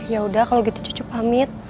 ya udah kalau gitu cucu pamit